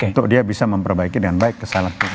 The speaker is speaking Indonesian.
untuk dia bisa memperbaiki dengan baik kesalahan kita